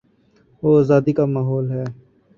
وہ آزادی کا ماحول ہے۔